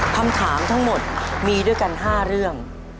คำถามทั้งหมดมีด้วยกัน๕เรื่อง